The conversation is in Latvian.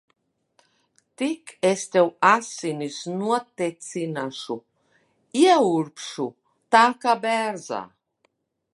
Tik es tev asinis notecināšu. Ieurbšu tā kā bērzā.